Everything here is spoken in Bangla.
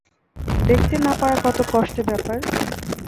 দেখতে না পারা কত কষ্টের ব্যাপার?